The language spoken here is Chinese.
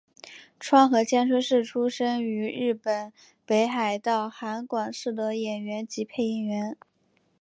川合千春是出身于日本北海道函馆市的演员及配音员。